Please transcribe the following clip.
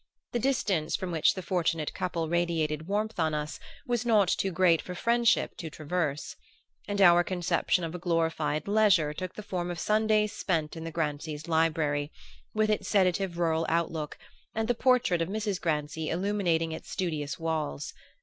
The distance from which the fortunate couple radiated warmth on us was not too great for friendship to traverse; and our conception of a glorified leisure took the form of Sundays spent in the Grancys' library, with its sedative rural outlook, and the portrait of Mrs. Grancy illuminating its studious walls.